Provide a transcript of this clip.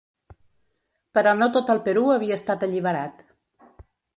Però no tot el Perú havia estat alliberat.